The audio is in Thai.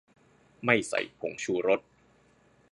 ไม่ใส่ผงชูรส